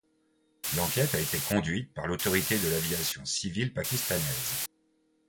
L'enquête a été conduite par l'autorité de l'aviation civile pakistanaise.